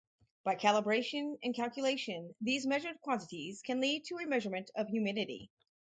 By calibration and calculation, these measured quantities can lead to a measurement of humidity.